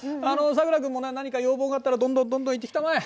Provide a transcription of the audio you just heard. さくら君も何か要望があったらどんどんどんどん言ってきたまえ。